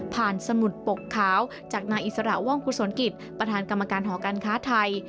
สมุดปกขาวจากนายอิสระว่องกุศลกิจประธานกรรมการหอการค้าไทย